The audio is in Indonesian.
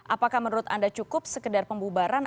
apakah menurut anda cukup sekedar pembubaran